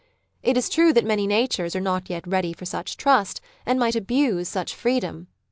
It is true that many natures are not yet ready for such trust, and might abuse such freedom.